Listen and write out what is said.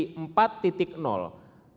yang menyebabkan kematian di dalam kemampuan